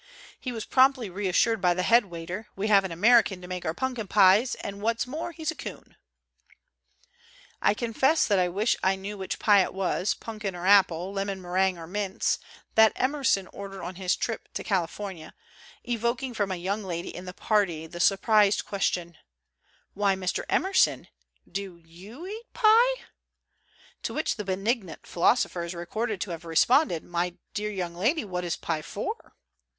He was promptly reassured by the headwaiter: "We have an American to make our punkin pies, and what's more, he's a coon !" I confess that I wish I knew which pie it was, punkin or apple, lemon meringue or mince, that Emerson ordered on his trip to California, evok ing from a young lady in the party the surprised question, "Why, Mr. Emerson, do you eat pie?" To which the benignant philosopher is recorded to have responded, "My dear young lady, what is pie for?"